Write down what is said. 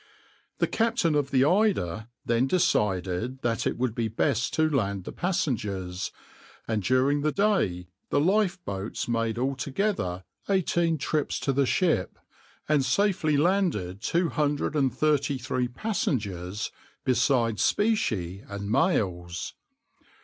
The captain of the {\itshape{Eider}} then decided that it would be best to land the passengers, and during the day the lifeboats made altogether eighteen trips to the ship, and safely landed two hundred and thirty three passengers, besides specie and mails.